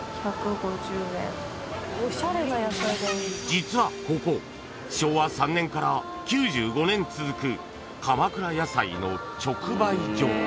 ［実はここ昭和３年から９５年続く鎌倉野菜の直売所］